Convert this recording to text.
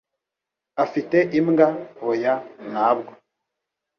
"Afite imbwa?" "Oya, ntabwo."